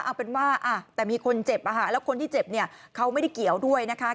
เอาเป็นว่าแต่มีคนเจ็บแล้วคนที่เจ็บเนี่ยเขาไม่ได้เกี่ยวด้วยนะคะ